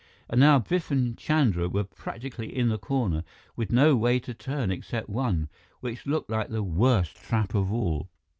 And now, Biff and Chandra were practically in the corner, with no way to turn, except one, which looked like the worst trap of all.